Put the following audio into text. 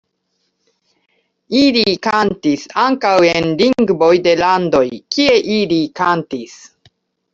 Ili kantis ankaŭ en lingvoj de landoj, kie ili kantis.